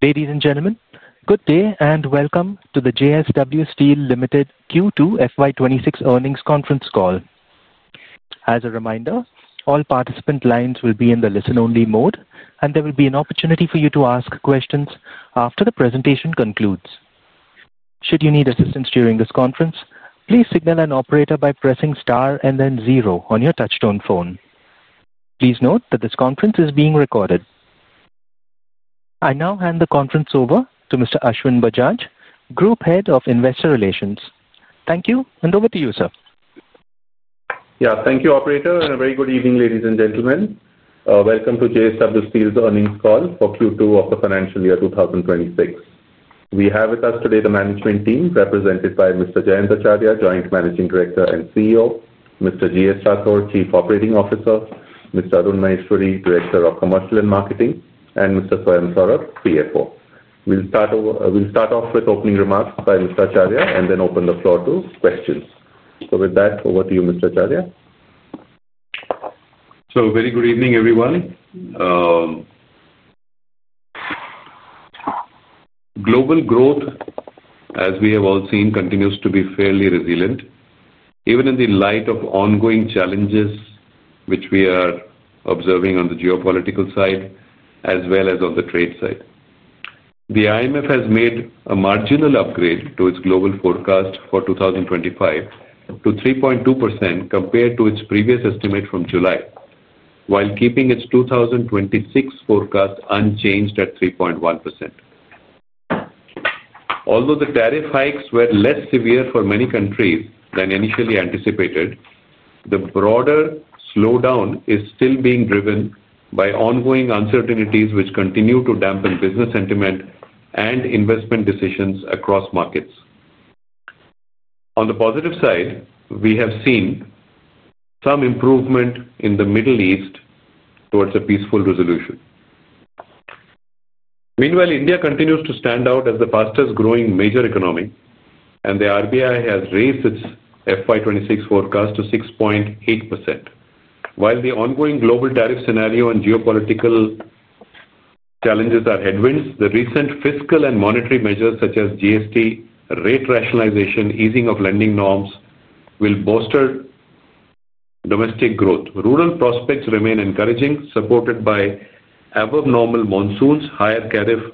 Ladies and gentlemen, good day and welcome to the JSW Steel Limited Q2 FY 2026 earnings conference call. As a reminder, all participant lines will be in the listen-only mode, and there will be an opportunity for you to ask questions after the presentation concludes. Should you need assistance during this conference, please signal an operator by pressing star and then zero on your touchstone phone. Please note that this conference is being recorded. I now hand the conference over to Mr. Ashwin Bajaj, Group Head of Investor Relations. Thank you, and over to you, sir. Thank you, operator, and a very good evening, ladies and gentlemen. Welcome to JSW Steel's earnings call for Q2 of the financial year 2026. We have with us today the management team represented by Mr. Jayant Acharya, Joint Managing Director and CEO, Mr. Jayraj Rathore, Chief Operating Officer, Mr. Arun Maheshwari, Director of Commercial and Marketing, and Mr. Swayam Saurabh, CFO. We'll start off with opening remarks by Mr. Acharya and then open the floor to questions. With that, over to you, Mr. Acharya. Very good evening, everyone. Global growth, as we have all seen, continues to be fairly resilient, even in the light of ongoing challenges which we are observing on the geopolitical side as well as on the trade side. The IMF has made a marginal upgrade to its global forecast for 2025 to 3.2% compared to its previous estimate from July, while keeping its 2026 forecast unchanged at 3.1%. Although the tariff hikes were less severe for many countries than initially anticipated, the broader slowdown is still being driven by ongoing uncertainties which continue to dampen business sentiment and investment decisions across markets. On the positive side, we have seen some improvement in the Middle East towards a peaceful resolution. Meanwhile, India continues to stand out as the fastest growing major economy, and the RBI has raised its FY 2026 forecast to 6.8%. While the ongoing global tariff scenario and geopolitical challenges are headwinds, the recent fiscal and monetary measures such as GST rate rationalization and easing of lending norms will bolster domestic growth. Rural prospects remain encouraging, supported by above-normal monsoons, higher tariffs,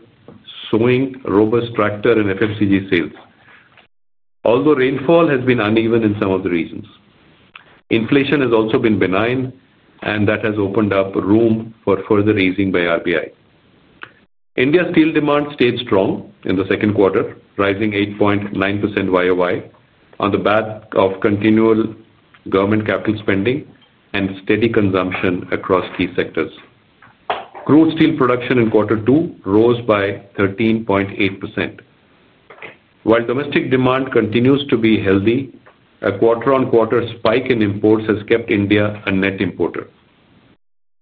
sowing, robust tractor, and FFCG sales. Although rainfall has been uneven in some of the regions, inflation has also been benign, and that has opened up room for further easing by RBI. India's steel demand stayed strong in the second quarter, rising 8.9% YOY on the back of continual government capital spending and steady consumption across key sectors. Crude steel production in quarter two rose by 13.8%. While domestic demand continues to be healthy, a quarter-on-quarter spike in imports has kept India a net importer.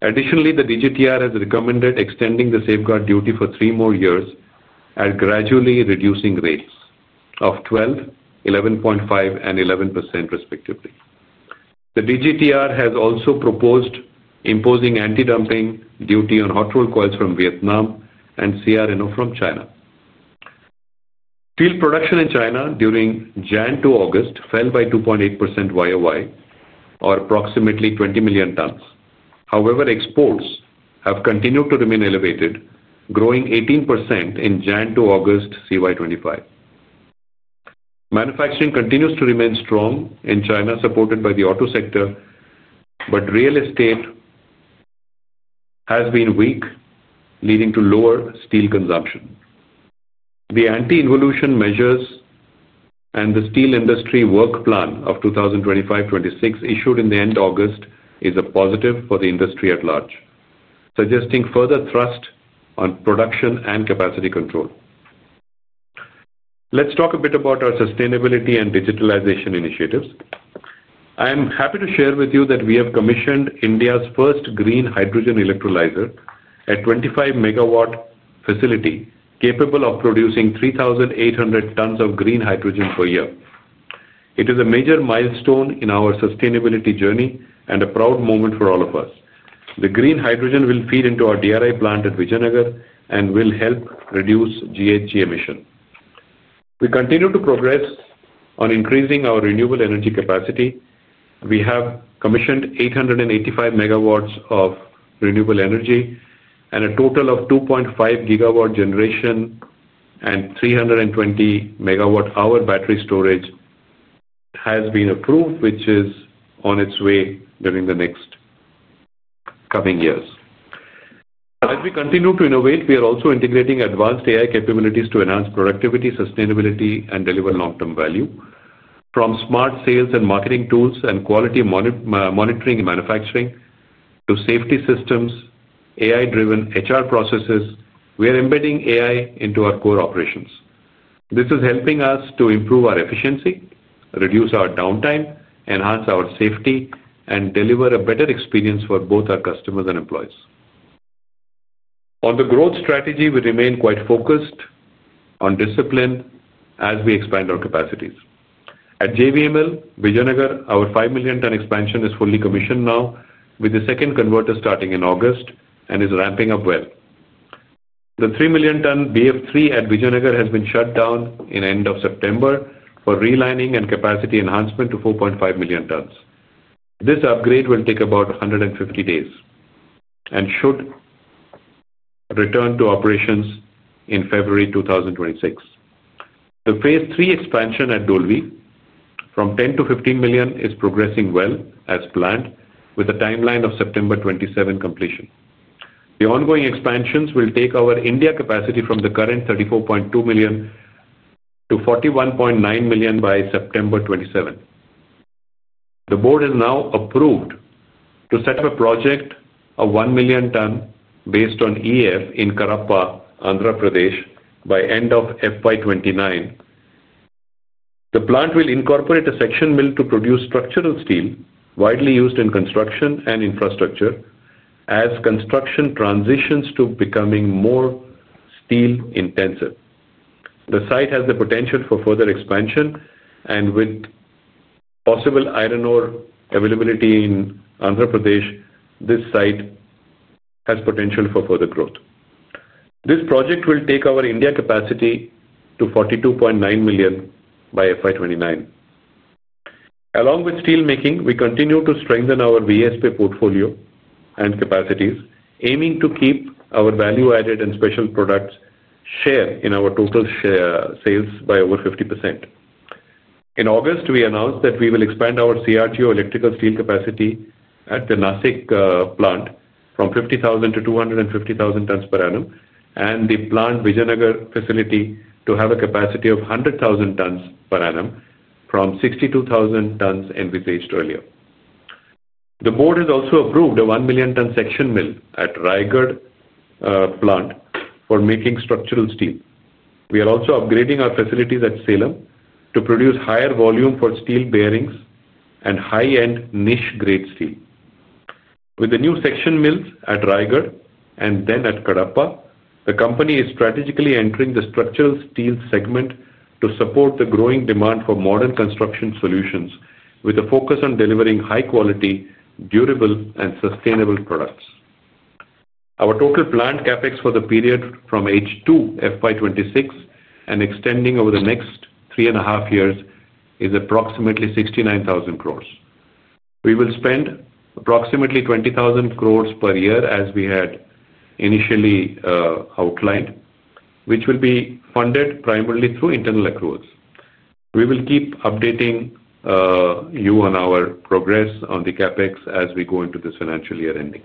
Additionally, the DGTR has recommended extending the safeguard duty for three more years and gradually reducing rates of 12%, 11.5%, and 11% respectively. The DGTR has also proposed imposing anti-dumping duty on hot roll coils from Vietnam and CRNO from China. Steel production in China during January to August fell by 2.8% YOY, or approximately 20 million tons. However, exports have continued to remain elevated, growing 18% in January to August 2025. Manufacturing continues to remain strong in China, supported by the auto sector, but real estate has been weak, leading to lower steel consumption. The anti-involution measures and the Steel Industry Work Plan of 2025-26 issued at the end of August is a positive for the industry at large, suggesting further thrust on production and capacity control. Let's talk a bit about our sustainability and digitalization initiatives. I am happy to share with you that we have commissioned India's first green hydrogen electrolyzer at a 25 MW facility capable of producing 3,800 tons of green hydrogen per year. It is a major milestone in our sustainability journey and a proud moment for all of us. The green hydrogen will feed into our DRI plant at Vijayanagar and will help reduce GHG emission. We continue to progress on increasing our renewable energy capacity. We have commissioned 885 MW of renewable energy, and a total of 2.5 GW generation and 320 MWh battery storage has been approved, which is on its way during the next coming years. As we continue to innovate, we are also integrating advanced AI capabilities to enhance productivity, sustainability, and deliver long-term value. From smart sales and marketing tools and quality monitoring and manufacturing to safety systems, AI-driven HR processes, we are embedding AI into our core operations. This is helping us to improve our efficiency, reduce our downtime, enhance our safety, and deliver a better experience for both our customers and employees. On the growth strategy, we remain quite focused on discipline as we expand our capacities. At JVML Vijayanagar, our 5-million-ton expansion is fully commissioned now with the second converter starting in August and is ramping up well. The 3-million-ton BF3 at Vijayanagar has been shut down in the end of September for relining and capacity enhancement to 4.5 million tons. This upgrade will take about 150 days and should return to operations in February 2026. The phase three expansion at Dolvi from 10 to 15 million is progressing well as planned, with a timeline of September 2027 completion. The ongoing expansions will take our India capacity from the current 34.2 million to 41.9 million by September 2027. The board has now approved to set up a project of 1 million tons based on EAF in Karappa, Andhra Pradesh, by the end of FY 2029. The plant will incorporate a section mill to produce structural steel, widely used in construction and infrastructure as construction transitions to becoming more steel intensive. The site has the potential for further expansion, and with possible iron ore availability in Andhra Pradesh, this site has potential for further growth. This project will take our India capacity to 42.9 million by FY 2029. Along with steelmaking, we continue to strengthen our VSP portfolio and capacities, aiming to keep our value-added and special products share in our total sales by over 50%. In August, we announced that we will expand our CRNO electrical steel capacity at the Nasik plant from 50,000 to 250,000 tons per annum, and the Vijayanagar facility to have a capacity of 100,000 tons per annum from 62,000 tons envisaged earlier. The board has also approved a 1 million-ton section mill at the Raigarh plant for making structural steel. We are also upgrading our facilities at Salem to produce higher volume for steel bearings and high-end niche-grade steel. With the new section mills at Raigarh and then at Karappa, the company is strategically entering the structural steel segment to support the growing demand for modern construction solutions, with a focus on delivering high-quality, durable, and sustainable products. Our total plant CapEx for the period from H2 FY 2026 and extending over the next three and a half years is approximately 69,000 crores. We will spend approximately 20,000 crores per year as we had initially outlined, which will be funded primarily through internal accruals. We will keep updating you on our progress on the CapEx as we go into this financial year ending.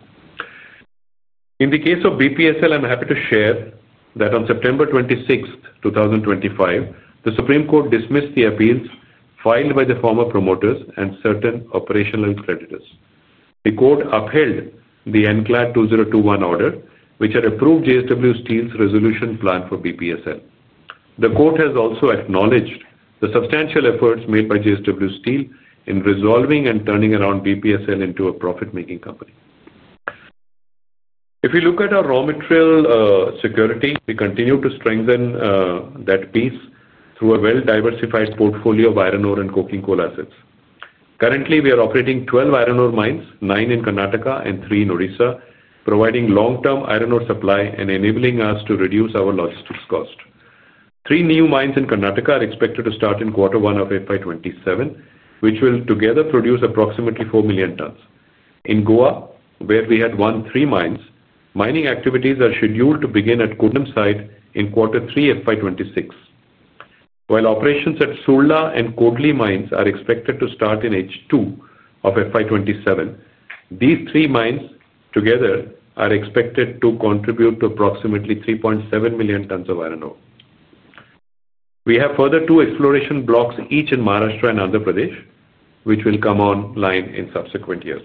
In the case of BPSL, I'm happy to share that on September 26, 2025, the Supreme Court dismissed the appeals filed by the former promoters and certain operational creditors. The court upheld the NCLAT 2021 order, which had approved JSW Steel's resolution plan for BPSL. The court has also acknowledged the substantial efforts made by JSW Steel in resolving and turning around BPSL into a profit-making company. If you look at our raw material security, we continue to strengthen that piece through a well-diversified portfolio of iron ore and coking coal assets. Currently, we are operating 12 iron ore mines, nine in Karnataka and three in Odisha, providing long-term iron ore supply and enabling us to reduce our logistics cost. Three new mines in Karnataka are expected to start in quarter one of FY 2027, which will together produce approximately 4 million tons. In Goa, where we had won three mines, mining activities are scheduled to begin at the Kundam site in quarter three FY 2026. While operations at Sulla and Kodli mines are expected to start in H2 of FY 2027, these three mines together are expected to contribute to approximately 3.7 million tons of iron ore. We have further two exploration blocks, each in Maharashtra and Andhra Pradesh, which will come online in subsequent years.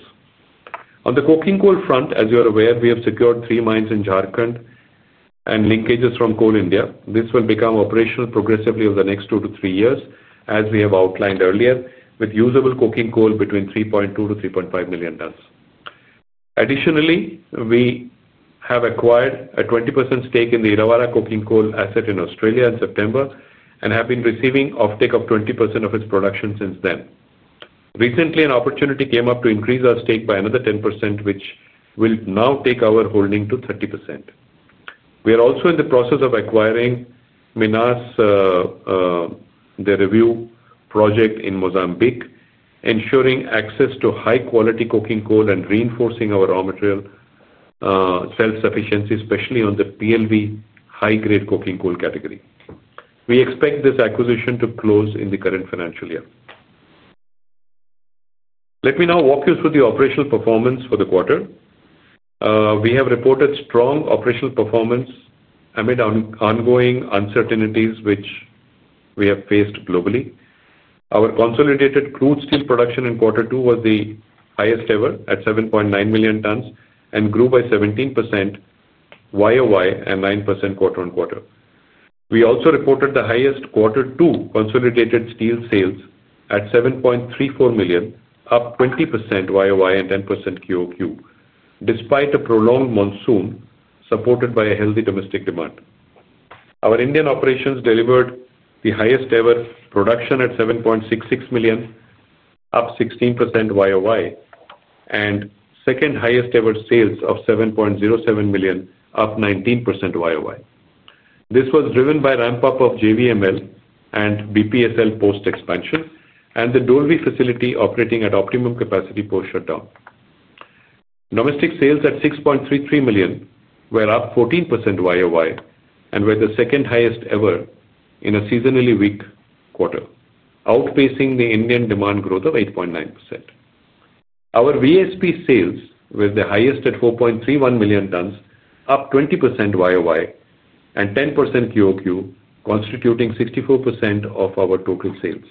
On the coking coal front, as you are aware, we have secured three mines in Jharkhand and linkages from Coal India. This will become operational progressively over the next two to three years, as we have outlined earlier, with usable coking coal between 3.2 million-3.5 million tons. Additionally, we have acquired a 20% stake in the Irawara coking coal asset in Australia in September and have been receiving an offtake of 20% of its production since then. Recently, an opportunity came up to increase our stake by another 10%, which will now take our holding to 30%. We are also in the process of acquiring Minas, their review project in Mozambique, ensuring access to high-quality coking coal and reinforcing our raw material self-sufficiency, especially on the PLV high-grade coking coal category. We expect this acquisition to close in the current financial year. Let me now walk you through the operational performance for the quarter. We have reported strong operational performance amid ongoing uncertainties which we have faced globally. Our consolidated crude steel production in quarter two was the highest ever at 7.9 million tons and grew by 17% YOY and 9% quarter on quarter. We also reported the highest quarter two consolidated steel sales at 7.34 million, up 20% YOY and 10% QOQ, despite a prolonged monsoon supported by a healthy domestic demand. Our Indian operations delivered the highest ever production at 7.66 million, up 16% YOY, and second highest ever sales of 7.07 million, up 19% YOY. This was driven by ramp-up of JVML and BPSL post-expansion and the Dolvi facility operating at optimum capacity post-shutdown. Domestic sales at 6.33 million were up 14% YOY and were the second highest ever in a seasonally weak quarter, outpacing the Indian demand growth of 8.9%. Our VSP sales were the highest at 4.31 million tons, up 20% YOY and 10% QOQ, constituting 64% of our total sales.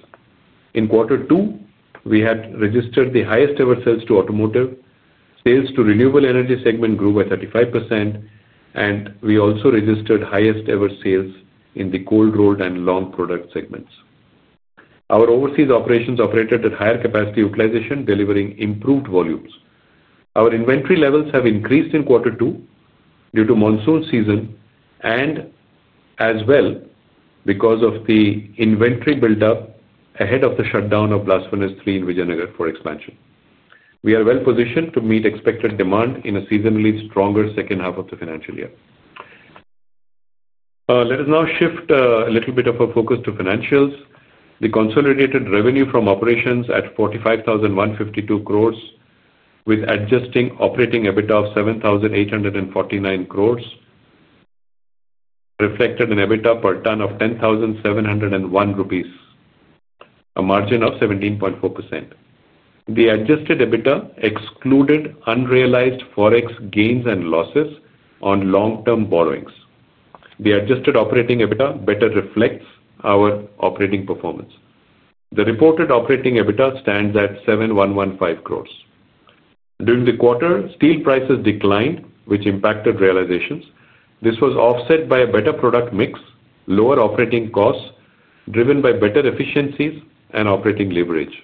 In quarter two, we had registered the highest ever sales to automotive. Sales to renewable energy segment grew by 35%, and we also registered highest ever sales in the cold rolled and long product segments. Our overseas operations operated at higher capacity utilization, delivering improved volumes. Our inventory levels have increased in quarter two due to monsoon season and as well because of the inventory buildup ahead of the shutdown of Blast Furnace Three in Vijayanagar for expansion. We are well positioned to meet expected demand in a seasonally stronger second half of the financial year. Let us now shift a little bit of our focus to financials. The consolidated revenue from operations at 45,152 crore, with adjusted operating EBITDA of 7,849 crore, reflected in EBITDA per ton of 10,701 rupees, a margin of 17.4%. The adjusted EBITDA excluded unrealized forex gains and losses on long-term borrowings. The adjusted operating EBITDA better reflects our operating performance. The reported operating EBITDA stands at 7,115 crore. During the quarter, steel prices declined, which impacted realizations. This was offset by a better product mix, lower operating costs driven by better efficiencies and operating leverage.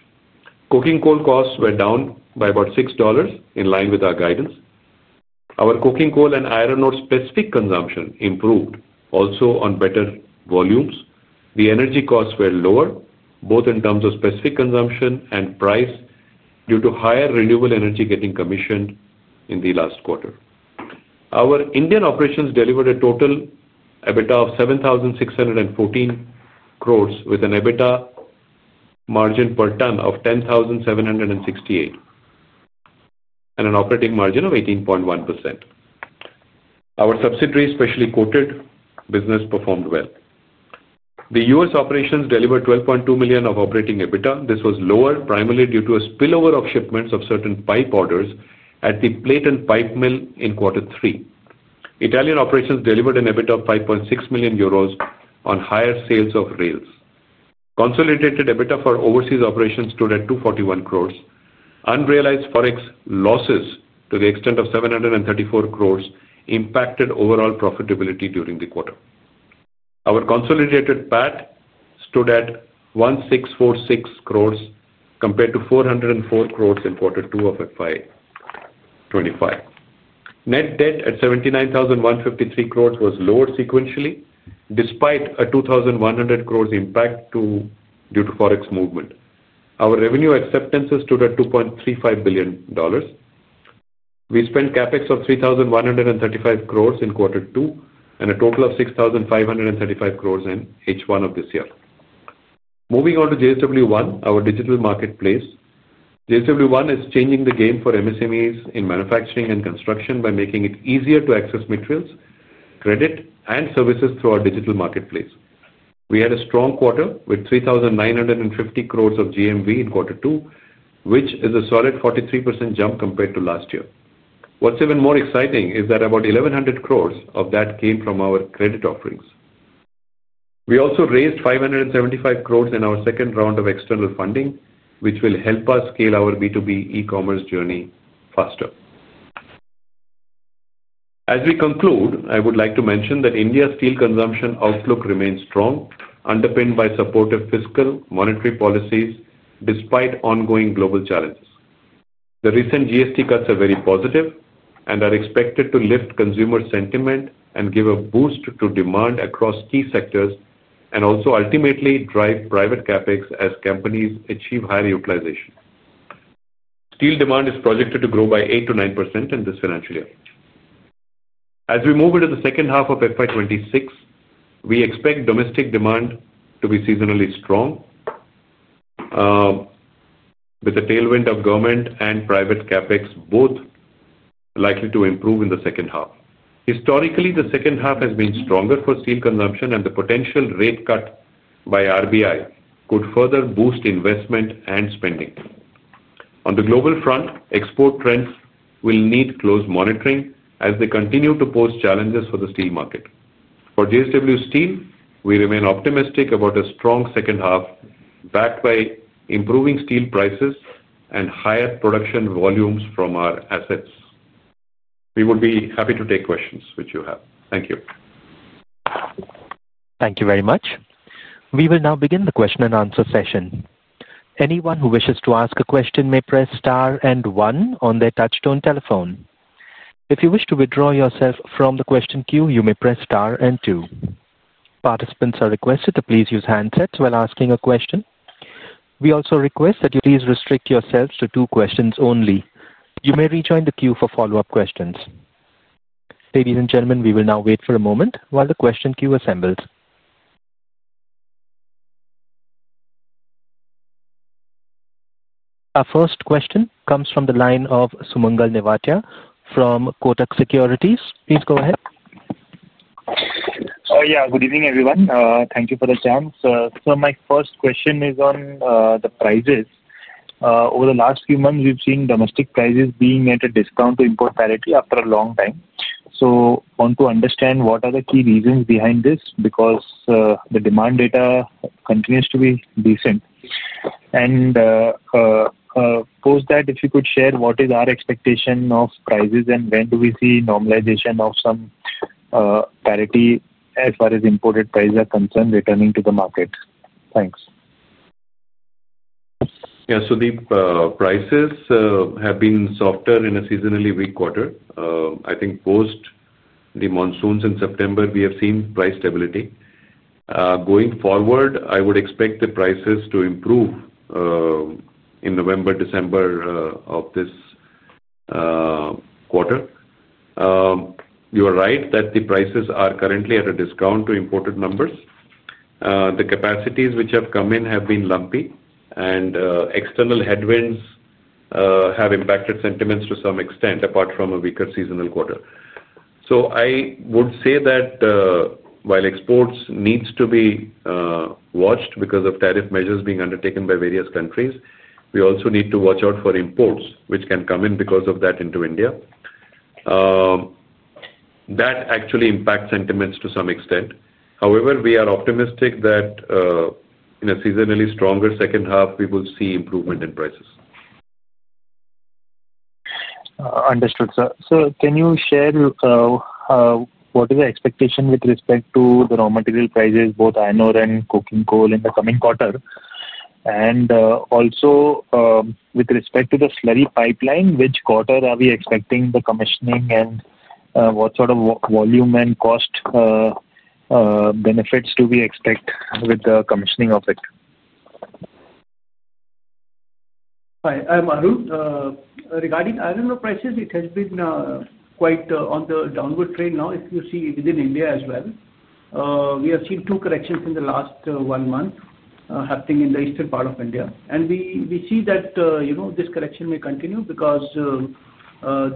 Coking coal costs were down by about INR 6, in line with our guidance. Our coking coal and iron ore specific consumption improved, also on better volumes. The energy costs were lower, both in terms of specific consumption and price due to higher renewable energy getting commissioned in the last quarter. Our Indian operations delivered a total EBITDA of 7,614 crore, with an EBITDA margin per ton of 10,768 and an operating margin of 18.1%. Our subsidiary, specially coated business performed well. The U.S. operations delivered 12.2 million of operating EBITDA. This was lower primarily due to a spillover of shipments of certain pipe orders at the Plate and Pipe Mill in quarter three. Italian operations delivered an EBITDA of 5.6 million euros on higher sales of rails. Consolidated EBITDA for overseas operations stood at 241 crore. Unrealized forex losses to the extent of 734 crore impacted overall profitability during the quarter. Our consolidated PAT stood at 1,646 crore compared to 404 crore in quarter two of FY 2025. Net debt at 79,153 crore was lowered sequentially, despite a 2,100 crore impact due to forex movement. Our revenue acceptances stood at INR 2.35 billion. We spent CapEx of 3,135 crore in quarter two and a total of 6,535 crore in H1 of this year. Moving on to JSW One, our digital marketplace. JSW One is changing the game for MSMEs in manufacturing and construction by making it easier to access materials, credit, and services through our digital marketplace. We had a strong quarter with 3,950 crore of GMV in quarter two, which is a solid 43% jump compared to last year. What's even more exciting is that about 1,100 crore of that came from our credit offerings. We also raised 575 crore in our second round of external funding, which will help us scale our B2B e-commerce journey faster. As we conclude, I would like to mention that India's steel consumption outlook remains strong, underpinned by supportive fiscal and monetary policies despite ongoing global challenges. The recent GST cuts are very positive and are expected to lift consumer sentiment and give a boost to demand across key sectors and also ultimately drive private CapEx as companies achieve higher utilization. Steel demand is projected to grow by 8% to 9% in this financial year. As we move into the second half of FY 2026, we expect domestic demand to be seasonally strong with a tailwind of government and private CapEx, both likely to improve in the second half. Historically, the second half has been stronger for steel consumption, and the potential rate cut by RBI could further boost investment and spending. On the global front, export trends will need close monitoring as they continue to pose challenges for the steel market. For JSW Steel, we remain optimistic about a strong second half backed by improving steel prices and higher production volumes from our assets. We would be happy to take questions which you have. Thank you. Thank you very much. We will now begin the question-and-answer session. Anyone who wishes to ask a question may press star and one on their touchstone telephone. If you wish to withdraw yourself from the question queue, you may press star and two. Participants are requested to please use handsets while asking a question. We also request that you please restrict yourselves to two questions only. You may rejoin the queue for follow-up questions. Ladies and gentlemen, we will now wait for a moment while the question queue assembles. Our first question comes from the line of Sumangal Nevatia from Kotak Securities. Please go ahead. Good evening, everyone. Thank you for the chance. My first question is on the prices. Over the last few months, we've seen domestic prices being at a discount to import parity after a long time. I want to understand what are the key reasons behind this because the demand data continues to be decent. If you could share what is our expectation of prices and when do we see normalization of some parity as far as imported prices are concerned returning to the markets. Thanks. Yeah, so the prices have been softer in a seasonally weak quarter. I think post the monsoons in September, we have seen price stability. Going forward, I would expect the prices to improve in November, December of this quarter. You are right that the prices are currently at a discount to imported numbers. The capacities which have come in have been lumpy, and external headwinds have impacted sentiments to some extent apart from a weaker seasonal quarter. I would say that while exports need to be watched because of tariff measures being undertaken by various countries, we also need to watch out for imports which can come in because of that into India. That actually impacts sentiments to some extent. However, we are optimistic that in a seasonally stronger second half, we will see improvement in prices. Understood, sir. Can you share what is the expectation with respect to the raw material prices, both iron ore and coking coal, in the coming quarter? Also, with respect to the slurry pipeline, which quarter are we expecting the commissioning, and what sort of volume and cost benefits do we expect with the commissioning of it? Hi, I'm Arun. Regarding iron ore prices, it has been quite on the downward trend now, if you see within India as well. We have seen two corrections in the last one month happening in the eastern part of India. We see that, you know, this correction may continue because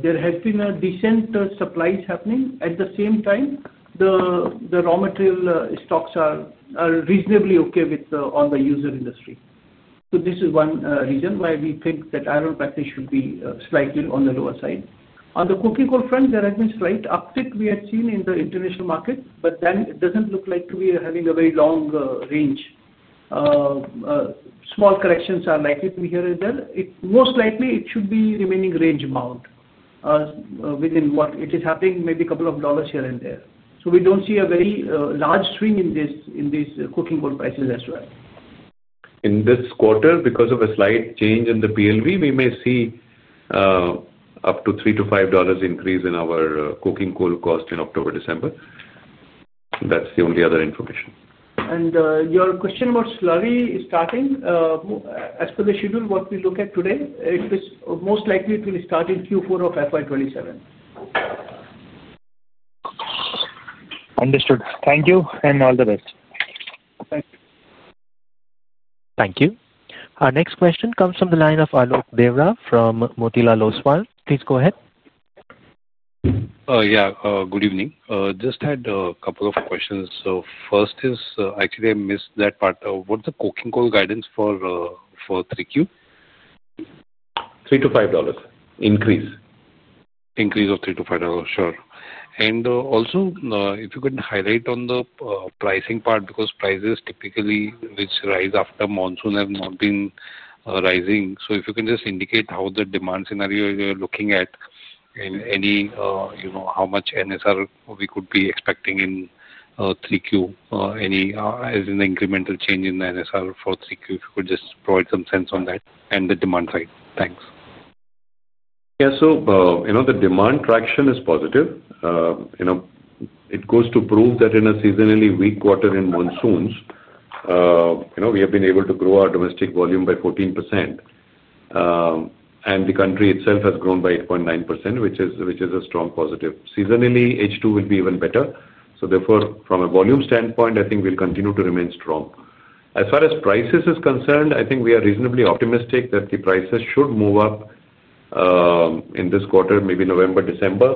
there have been decent supplies happening. At the same time, the raw material stocks are reasonably okay with the user industry. This is one reason why we think that iron ore prices should be slightly on the lower side. On the coking coal front, there has been a slight uptick we have seen in the international market, but then it doesn't look like we are having a very long range. Small corrections are likely to be here and there. Most likely, it should be remaining range-bound within what it is happening, maybe a couple of dollars here and there. We don't see a very large swing in these coking coal prices as well. In this quarter, because of a slight change in the PLV, we may see up to INR 3-INR 5 increase in our coking coal cost in October-December. That's the only other information. Your question about slurry is starting. As per the schedule, what we look at today, it is most likely it will start in Q4 of FY 2027. Understood. Thank you and all the best. Thank you. Thank you. Our next question comes from the line of Alok Deora from Motilal Oswal. Please go ahead. Yeah, good evening. Just had a couple of questions. First is, actually, I missed that part. What's the coking coal guidance for 3Q? INR 3-INR 5 increase. Increase of INR 3-INR 5, sure. If you could highlight on the pricing part because prices typically which rise after monsoon have not been rising, if you can just indicate how the demand scenario you're looking at and any, you know, how much NSR we could be expecting in 3Q, any as in the incremental change in the NSR for 3Q, if you could just provide some sense on that and the demand side. Thanks. Yeah, so you know the demand traction is positive. It goes to prove that in a seasonally weak quarter in monsoons, we have been able to grow our domestic volume by 14%. The country itself has grown by 8.9%, which is a strong positive. Seasonally, H2 will be even better. Therefore, from a volume standpoint, I think we'll continue to remain strong. As far as prices are concerned, I think we are reasonably optimistic that the prices should move up in this quarter, maybe November, December.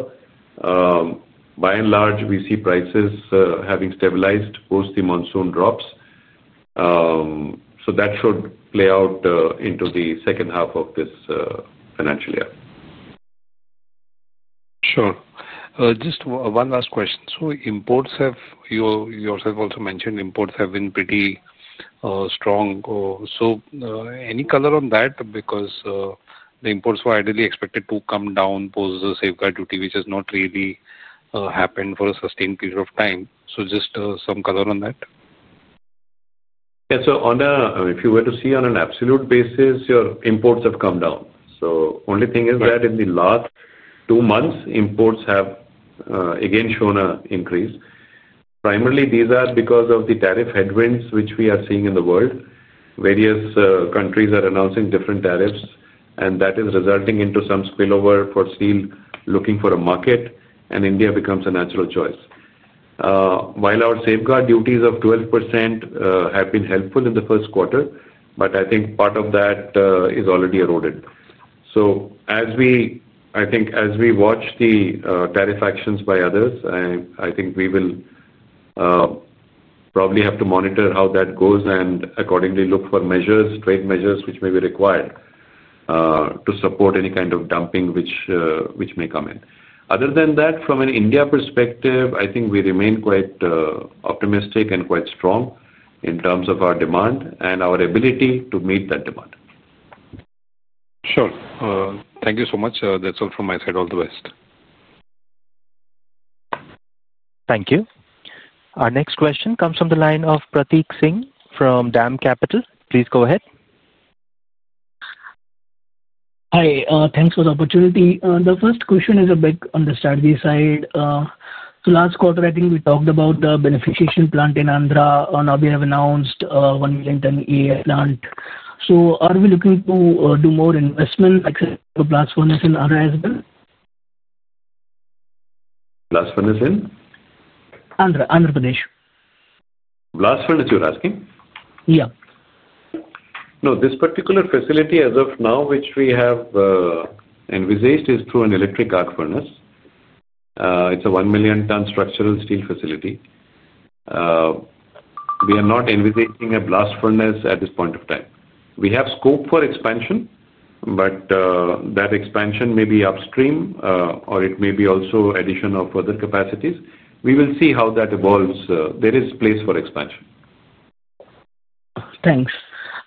By and large, we see prices having stabilized post the monsoon drops. That should play out into the second half of this financial year. Sure. Just one last question. Imports have, you yourself also mentioned, imports have been pretty strong. Any color on that because the imports were ideally expected to come down, post a safeguard duty, which has not really happened for a sustained period of time. Just some color on that. Yeah, so if you were to see on an absolute basis, your imports have come down. The only thing is that in the last two months, imports have again shown an increase. Primarily, these are because of the tariff headwinds which we are seeing in the world. Various countries are announcing different tariffs, and that is resulting in some spillover for steel looking for a market, and India becomes a natural choice. While our safeguard duties of 12% have been helpful in the first quarter, I think part of that is already eroded. As we watch the tariff actions by others, I think we will probably have to monitor how that goes and accordingly look for trade measures which may be required to support any kind of dumping which may come in. Other than that, from an India perspective, I think we remain quite optimistic and quite strong in terms of our demand and our ability to meet that demand. Sure. Thank you so much. That's all from my side. All the best. Thank you. Our next question comes from the line of Pratig Singh from DAM Capital. Please go ahead. Hi, thanks for the opportunity. The first question is a bit on the strategy side. Last quarter, I think we talked about the beneficiation plant in Andhra. Now we have announced a 1 million-ton EAF plant. Are we looking to do more investment except for blast furnace in Andhra as well? Blasphemous in? Andhra Pradesh. Blasphemous, you're asking? Yeah. No, this particular facility as of now, which we have envisaged, is through an electric arc furnace. It's a 1 million-ton structural steel facility. We are not envisaging a blast furnace at this point of time. We have scope for expansion, but that expansion may be upstream or it may be also an addition of other capacities. We will see how that evolves. There is a place for expansion. Thanks.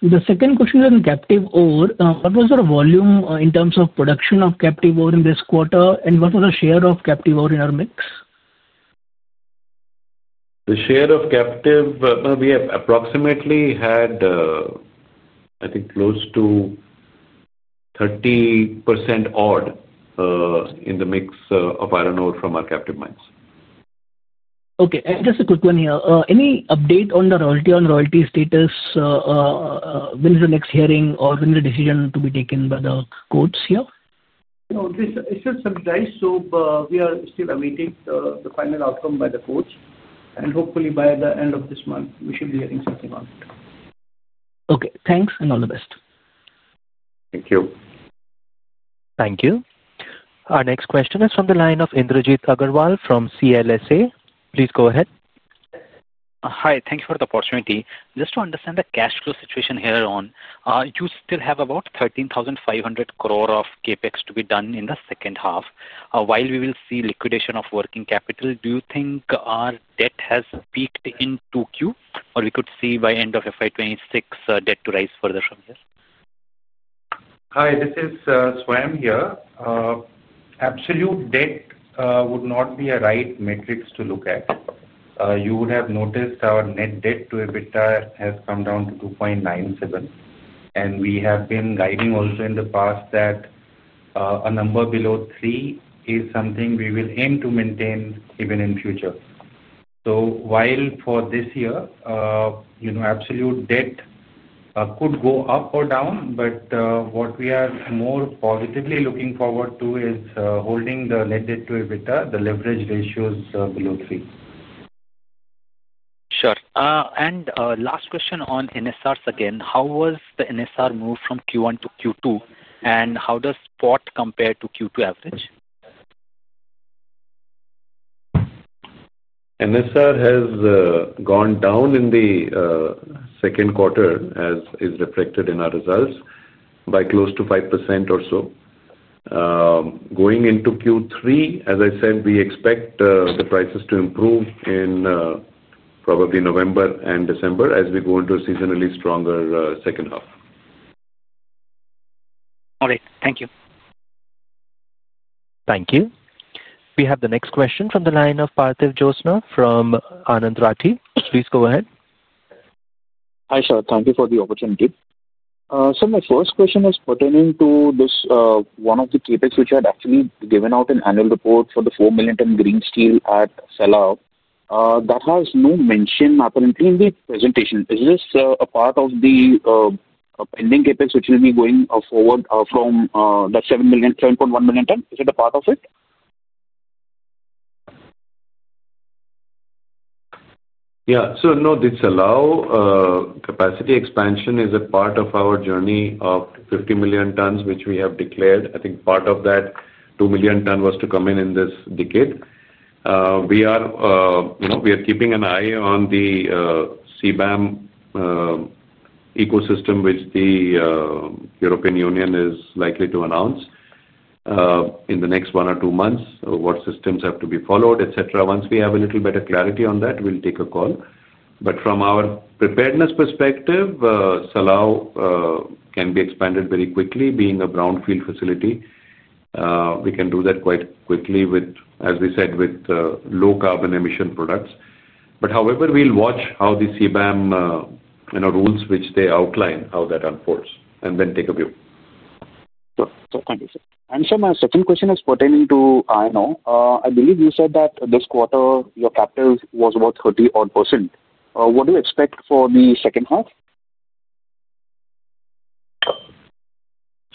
The second question is on captive ore. What was the volume in terms of production of captive ore in this quarter, and what was the share of captive ore in our mix? The share of captive, we have approximately, I think, close to 30% in the mix of iron ore from our captive mines. Okay. Just a quick one here. Any update on the royalty on royalty status? When is the next hearing or when is the decision to be taken by the courts here? It's just some days. We are still awaiting the final outcome by the courts. Hopefully, by the end of this month, we should be hearing something on it. Okay, thanks and all the best. Thank you. Thank you. Our next question is from the line of Indrajit Agarwal from CLSA. Please go ahead. Hi, thank you for the opportunity. Just to understand the cash flow situation here on, you still have about 13,500 crore of CapEx to be done in the second half. While we will see liquidation of working capital, do you think our debt has peaked in 2Q or we could see by the end of FY 2026 debt to rise further from here? Hi, this is Swayam here. Absolute debt would not be a right metric to look at. You would have noticed our net debt to EBITDA has come down to 2.97. We have been guiding also in the past that a number below 3 is something we will aim to maintain even in the future. While for this year, you know, absolute debt could go up or down, what we are more positively looking forward to is holding the net debt to EBITDA, the leverage ratios below 3. Sure. Last question on NSRs again. How was the NSR move from Q1 to Q2, and how does spot compare to Q2 average? NSR has gone down in the second quarter, as is reflected in our results, by close to 5% or so. Going into Q3, as I said, we expect the prices to improve in probably November and December as we go into a seasonally stronger second half. All right. Thank you. Thank you. We have the next question from the line of Parthiv Jhonsa from Anand Rathi. Please go ahead. Hi, sir. Thank you for the opportunity. My first question is pertaining to this, one of the CapEx which I had actually given out in the annual report for the 4 million-ton GreenEdge steel at Sella. That has no mention apparently in the presentation. Is this a part of the pending CapEx which will be going forward from that 7.1 million ton? Is it a part of it? Yeah. This allow capacity expansion is a part of our journey of 50 million tons which we have declared. I think part of that 2 million tons was to come in in this decade. We are keeping an eye on the CBAM ecosystem which the European Union is likely to announce in the next one or two months, what systems have to be followed, etc. Once we have a little better clarity on that, we'll take a call. From our preparedness perspective, Sella can be expanded very quickly, being a brownfield facility. We can do that quite quickly, as we said, with low carbon emission products. However, we'll watch how the CBAM rules which they outline, how that unfolds, and then take a view. Sure. Thank you, sir. My second question is pertaining to iron. I believe you said that this quarter your captive was about 30% odd. What do you expect for the second half?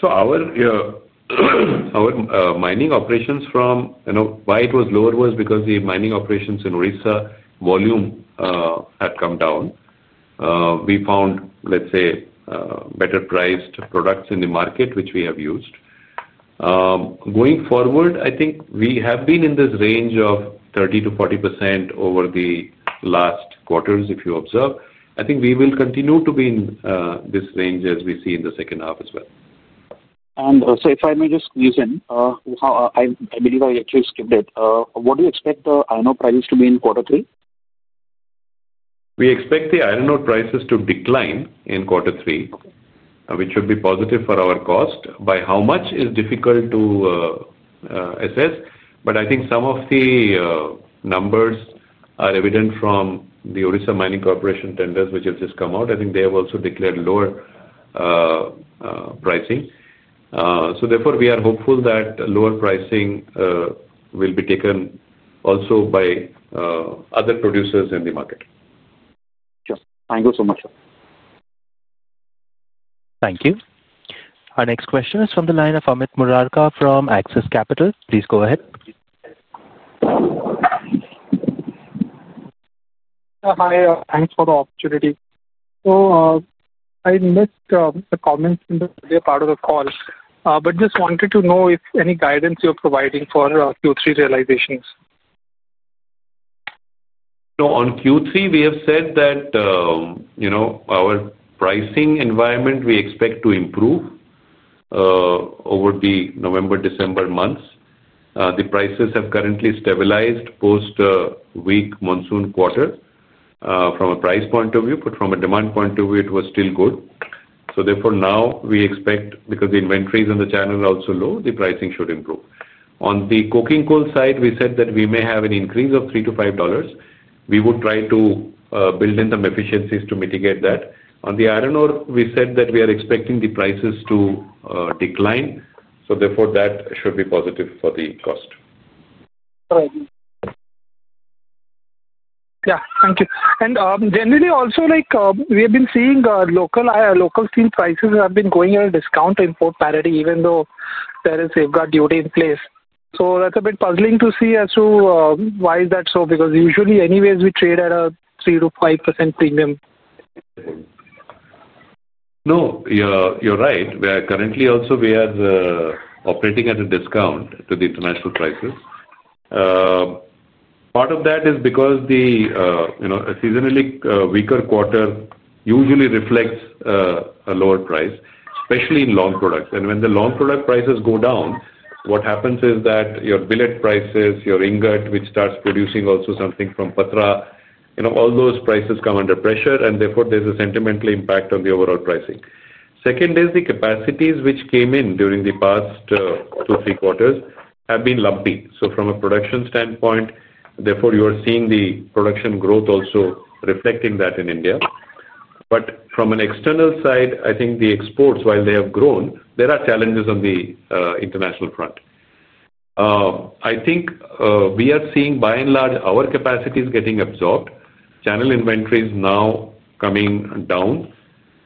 Our mining operations, you know, why it was lower was because the mining operations in Orissa volume had come down. We found, let's say, better priced products in the market which we have used. Going forward, I think we have been in this range of 30%-40% over the last quarters, if you observe. I think we will continue to be in this range as we see in the second half as well. Sir, if I may just quiz in, I believe I actually skipped it. What do you expect the iron ore prices to be in quarter three? We expect the iron ore prices to decline in quarter three, which would be positive for our cost. By how much is difficult to assess, but I think some of the numbers are evident from the Orissa Mining Corporation tenders which have just come out. I think they have also declared lower pricing. Therefore, we are hopeful that lower pricing will be taken also by other producers in the market. Sure. Thank you so much, sir. Thank you. Our next question is from the line of Amit Murarka from Axis Capital. Please go ahead. Hi, thanks for the opportunity. I missed the comments in the earlier part of the call, but just wanted to know if any guidance you're providing for Q3 realizations. No, on Q3, we have said that, you know, our pricing environment we expect to improve over the November, December months. The prices have currently stabilized post weak monsoon quarter from a price point of view, but from a demand point of view, it was still good. Therefore, now we expect because the inventories in the channel are also low, the pricing should improve. On the coking coal side, we said that we may have an increase of INR 3-INR 5. We would try to build in some efficiencies to mitigate that. On the iron ore, we said that we are expecting the prices to decline. Therefore, that should be positive for the cost. Thank you. Generally, also, like we have been seeing our local steel prices have been going at a discount to import parity, even though there is a safeguard duty in place. That's a bit puzzling to see as to why is that so because usually, anyways, we trade at a 3%-5% premium. No, you're right. We are currently also operating at a discount to the international prices. Part of that is because the seasonally weaker quarter usually reflects a lower price, especially in long products. When the long product prices go down, what happens is that your billet prices, your ingot, which starts producing also something from Patra, you know, all those prices come under pressure. Therefore, there's a sentimental impact on the overall pricing. Second is the capacities which came in during the past two, three quarters have been lumpy. From a production standpoint, therefore, you are seeing the production growth also reflecting that in India. From an external side, I think the exports, while they have grown, there are challenges on the international front. I think we are seeing, by and large, our capacities getting absorbed, channel inventories now coming down.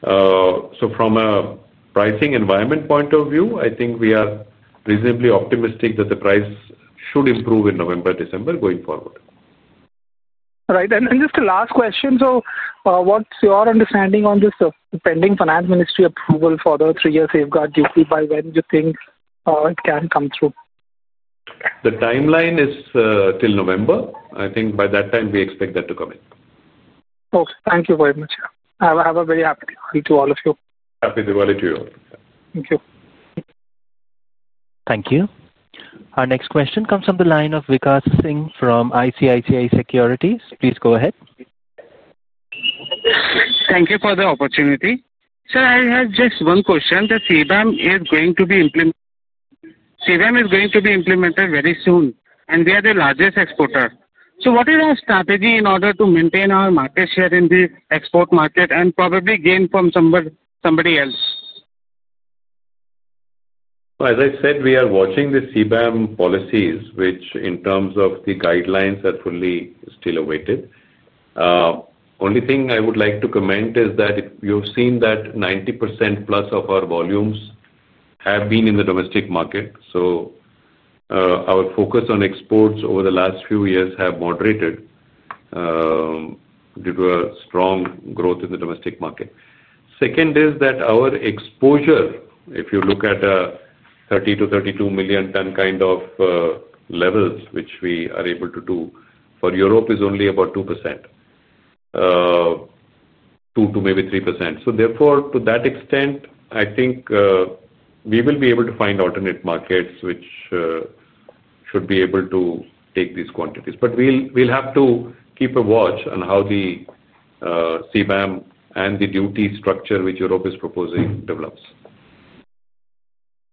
From a pricing environment point of view, I think we are reasonably optimistic that the price should improve in November, December going forward. Right. Just a last question. What's your understanding on the pending Finance Ministry approval for the three-year safeguard duty? By when do you think it can come through? The timeline is till November. I think by that time, we expect that to come in. Okay. Thank you very much. A very happy Diwali to all of you. Happy Diwali to you all. Thank you. Thank you. Our next question comes from the line of Vikas Singh from ICICI Securities. Please go ahead. Thank you for the opportunity. Sir, I have just one question. The CBAM is going to be implemented very soon, and we are the largest exporter. What is our strategy in order to maintain our market share in the export market and probably gain from somebody else? As I said, we are watching the CBAM policies, which in terms of the guidelines are fully still awaited. The only thing I would like to comment is that if you've seen that 90%+ of our volumes have been in the domestic market. Our focus on exports over the last few years has moderated due to a strong growth in the domestic market. Second is that our exposure, if you look at a 30 million-32 million ton kind of levels, which we are able to do for Europe, is only about 2%, 2% to maybe 3%. To that extent, I think we will be able to find alternate markets which should be able to take these quantities. We'll have to keep a watch on how the CBAM and the duty structure which Europe is proposing develops.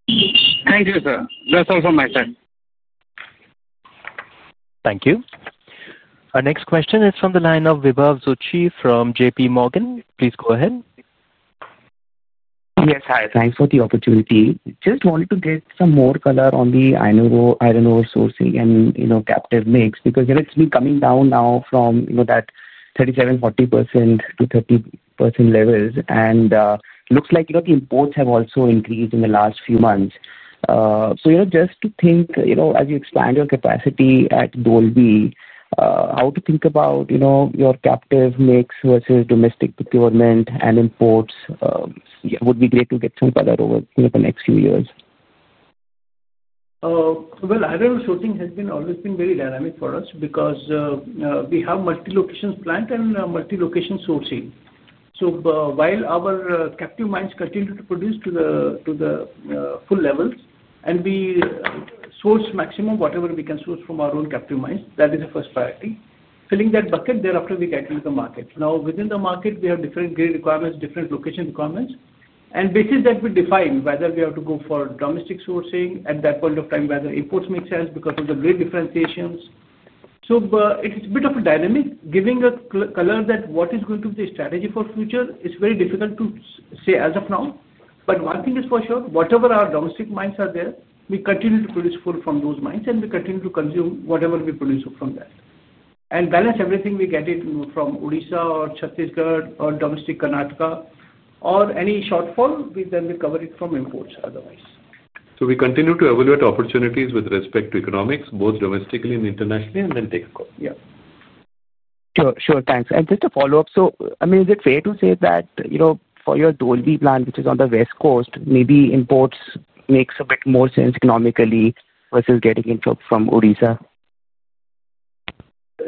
Thank you, sir. That's all from my side. Thank you. Our next question is from the line of Vibhav Zutshi from JPMorgan. Please go ahead. Yes, hi. Thanks for the opportunity. Just wanted to get some more color on the iron ore sourcing and, you know, captive mix because it's been coming down now from, you know, that 37%, 40%-30% levels. It looks like, you know, the imports have also increased in the last few months. Just to think, you know, as you expand your capacity at Dolvi, how to think about, you know, your captive mix versus domestic procurement and imports would be great to get some color over the next few years. Iron ore sourcing has always been very dynamic for us because we have multi-location plants and multi-location sourcing. Our captive mines continue to produce to the full levels and we source maximum whatever we can source from our own captive mines, that is the first priority. Filling that bucket, thereafter, we get into the market. Within the market, we have different grid requirements, different location requirements, and basis that will define whether we have to go for domestic sourcing at that point of time, whether imports make sense because of the grid differentiations. It's a bit of a dynamic. Giving a color that what is going to be the strategy for the future is very difficult to say as of now. One thing is for sure, whatever our domestic mines are there, we continue to produce from those mines, and we continue to consume whatever we produce from that. Balance, everything we get from Orissa or Chhattisgarh or domestic Karnataka, or any shortfall, then we cover it from imports otherwise. We continue to evaluate opportunities with respect to economics, both domestically and internationally, and then take a call. Yeah. Sure. Thanks. Just a follow-up. I mean, is it fair to say that, you know, for your Dolvi plant, which is on the west coast, maybe imports make a bit more sense economically versus getting in from Orissa?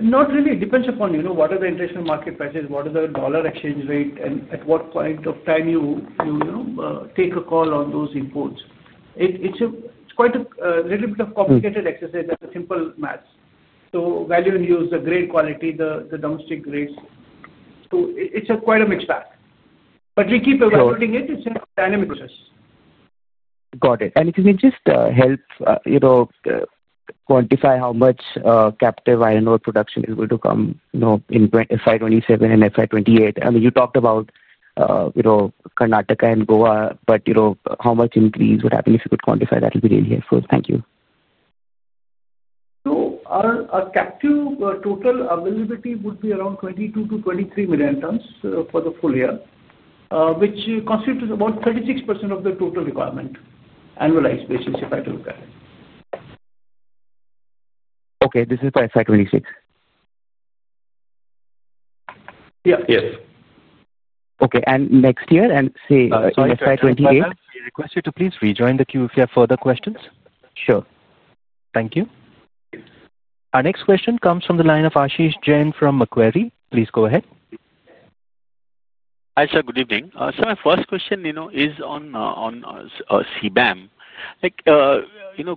Not really. It depends upon what are the international market prices, what is the dollar exchange rate, and at what point of time you take a call on those imports. It's quite a little bit of a complicated exercise than a simple math. Value and use, the grade quality, the domestic grades—it's quite a mixed pack. We keep evaluating it. It's a dynamic process. Got it. If you can just help quantify how much captive iron ore production is going to come in FY 2027 and FY 2028. I mean, you talked about Karnataka and Goa, but how much increase would happen if you could quantify that, it would be really helpful. Thank you. Our captive total availability would be around 22 million-23 million tons for the full year, which constitutes about 36% of the total requirement on an annualized basis if I look at it. Okay. This is by FY 2026? Yeah. Yes. Okay. Next year, say, on FY 2028. We request you to please rejoin the queue if you have further questions. Sure. Thank you. Our next question comes from the line of Ashish Jain from Macquarie. Please go ahead. Hi, sir. Good evening. Sir, my first question is on CBAM.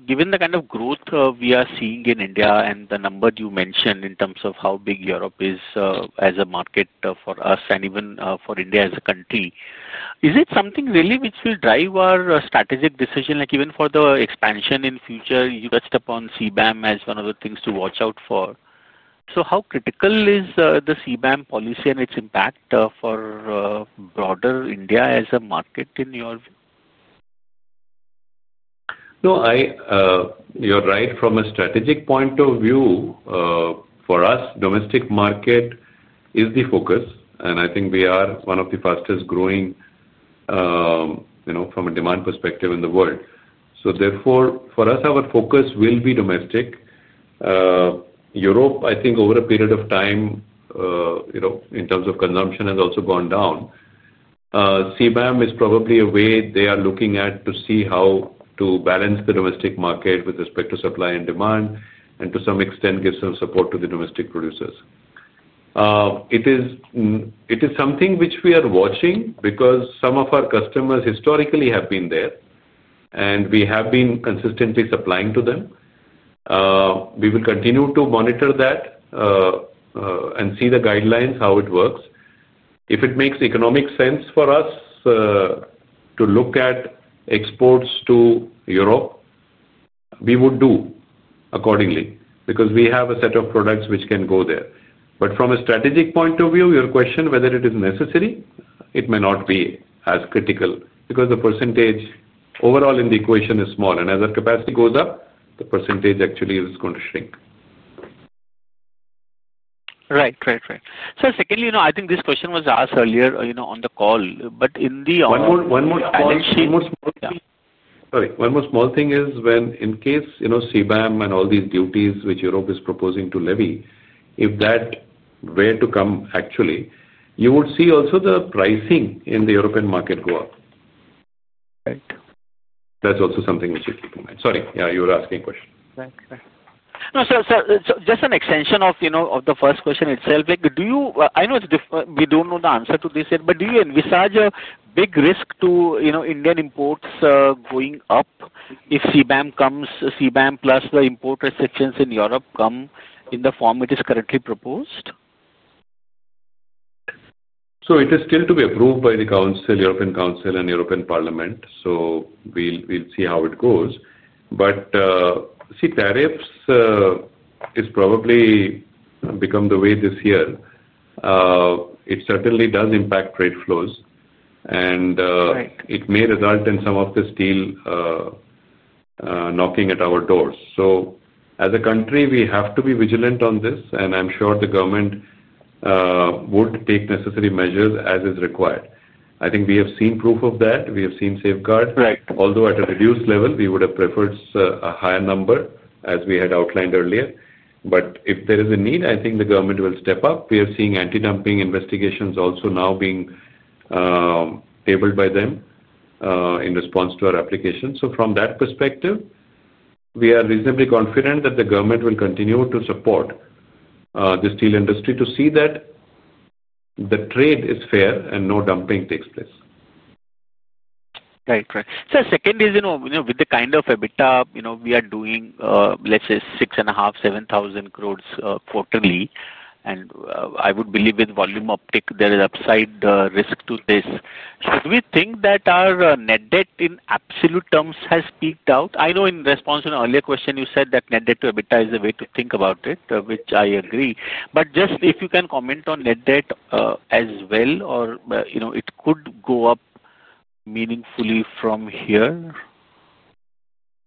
Given the kind of growth we are seeing in India and the number you mentioned in terms of how big Europe is as a market for us and even for India as a country, is it something really which will drive our strategic decision, like even for the expansion in the future? You touched upon CBAM as one of the things to watch out for. How critical is the CBAM policy and its impact for broader India as a market in your view? You're right. From a strategic point of view, for us, the domestic market is the focus. I think we are one of the fastest growing, you know, from a demand perspective in the world. Therefore, for us, our focus will be domestic. Europe, I think, over a period of time, you know, in terms of consumption has also gone down. CBAM is probably a way they are looking at to see how to balance the domestic market with respect to supply and demand and to some extent give some support to the domestic producers. It is something which we are watching because some of our customers historically have been there, and we have been consistently supplying to them. We will continue to monitor that and see the guidelines, how it works. If it makes economic sense for us to look at exports to Europe, we would do accordingly because we have a set of products which can go there. From a strategic point of view, your question whether it is necessary, it may not be as critical because the % overall in the equation is small. As our capacity goes up, the percentage actually is going to shrink. Right. Secondly, I think this question was asked earlier on the call, but in the. One more small thing is when, in case, you know, CBAM and all these duties which Europe is proposing to levy, if that were to come, actually, you would see also the pricing in the European market go up. Right. That's also something which you keep in mind. Sorry, you were asking a question. No, sir. Just an extension of the first question itself. Do you, I know it's different, we don't know the answer to this yet, but do you envisage a big risk to Indian imports going up if CBAM comes, CBAM plus the import restrictions in Europe come in the form it is currently proposed? It is still to be approved by the European Council and European Parliament. We'll see how it goes. Tariffs have probably become the way this year. It certainly does impact trade flows, and it may result in some of the steel knocking at our doors. As a country, we have to be vigilant on this, and I'm sure the government would take necessary measures as is required. I think we have seen proof of that. We have seen safeguards, although at a reduced level. We would have preferred a higher number as we had outlined earlier. If there is a need, I think the government will step up. We are seeing anti-dumping investigations also now being tabled by them in response to our application. From that perspective, we are reasonably confident that the government will continue to support the steel industry to see that the trade is fair and no dumping takes place. Right. Second is, with the kind of EBITDA, we are doing, let's say, 6,500 crore-7,000 crore quarterly. I would believe with volume uptick, there is upside risk to this. Should we think that our net debt in absolute terms has peaked out? I know in response to an earlier question, you said that net debt to EBITDA is a way to think about it, which I agree. If you can comment on net debt as well, it could go up meaningfully from here.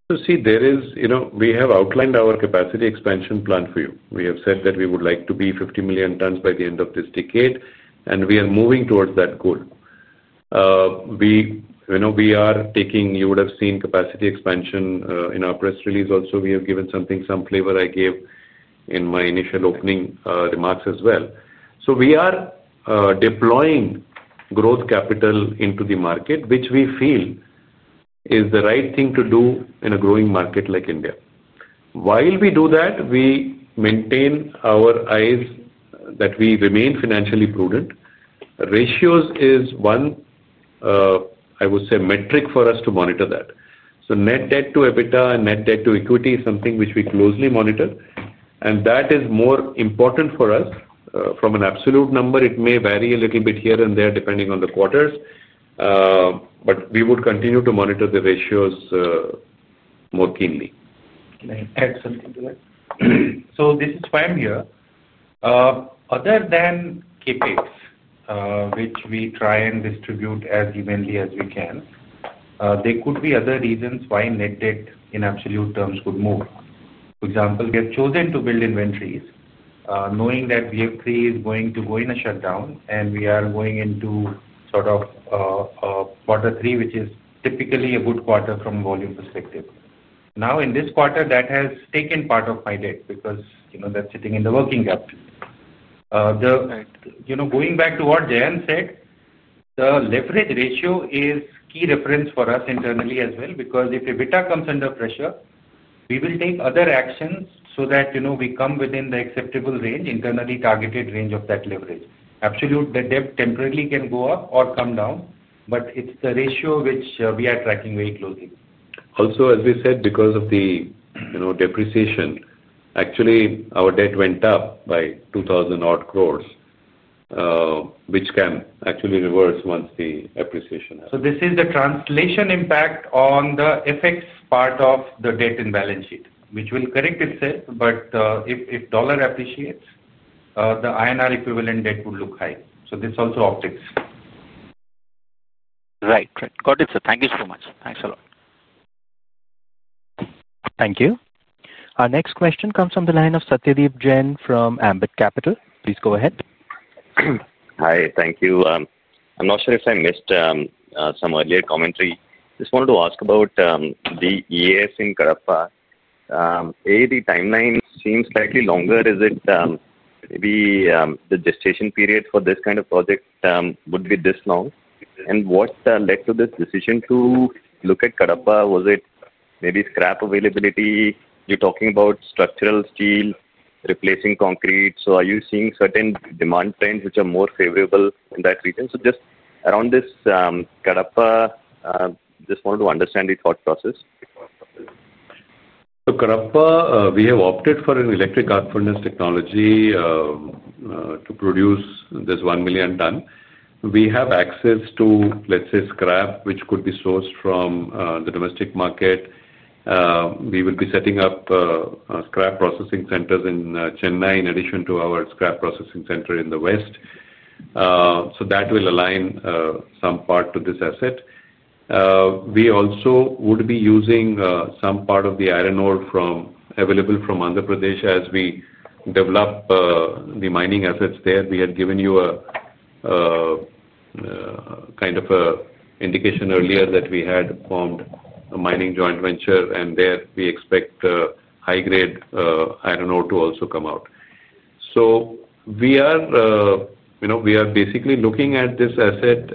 We have outlined our capacity expansion plan for you. We have said that we would like to be 50 million tons by the end of this decade, and we are moving towards that goal. You would have seen capacity expansion in our press release also. We have given something, some flavor I gave in my initial opening remarks as well. We are deploying growth capital into the market, which we feel is the right thing to do in a growing market like India. While we do that, we maintain our eyes that we remain financially prudent. Ratios is one, I would say, metric for us to monitor that. Net debt to EBITDA and net debt to equity is something which we closely monitor. That is more important for us. From an absolute number, it may vary a little bit here and there depending on the quarters, but we would continue to monitor the ratios more keenly. Excellent. This is why I'm here. Other than CapEx, which we try and distribute as evenly as we can, there could be other reasons why net debt in absolute terms could move. For example, we have chosen to build inventories, knowing that BF3 is going to go in a shutdown, and we are going into sort of quarter three, which is typically a good quarter from a volume perspective. In this quarter, that has taken part of my debt because, you know, that's sitting in the working gap. Going back to what Jayant said, the leverage ratio is key reference for us internally as well because if EBITDA comes under pressure, we will take other actions so that, you know, we come within the acceptable range, internally targeted range of that leverage. Absolute, the debt temporarily can go up or come down, but it's the ratio which we are tracking very closely. Also, as we said, because of the depreciation, actually, our debt went up by 2,000 crore, which can actually reverse once the appreciation happens. This is the translation impact on the FX part of the debt in balance sheet, which will correct itself, but if dollar appreciates, the INR equivalent debt would look high. This also updates. Right, right. Got it, sir. Thank you so much. Thanks a lot. Thank you. Our next question comes from the line of Satyadeep Jain from Ambit Capital. Please go ahead. Hi, thank you. I'm not sure if I missed some earlier commentary. I just wanted to ask about the EAF in Karappa. The timeline seems slightly longer. Is it maybe the gestation period for this kind of project would be this long? What led to this decision to look at Karappa? Was it maybe scrap availability? You're talking about structural steel replacing concrete. Are you seeing certain demand trends which are more favorable in that region? Just around this Karappa, I wanted to understand the thought process. At Karappa, we have opted for an electric arc furnace technology to produce this 1 million ton. We have access to, let's say, scrap, which could be sourced from the domestic market. We will be setting up scrap processing centers in Chennai in addition to our scrap processing center in the West. That will align some part to this asset. We also would be using some part of the iron ore available from Andhra Pradesh as we develop the mining assets there. We had given you a kind of an indication earlier that we had formed a mining joint venture, and there we expect high-grade iron ore to also come out. We are basically looking at this asset